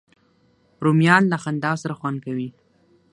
رومیان له خندا سره خوند کوي